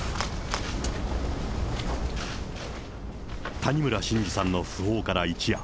谷村新司さんの訃報から一夜。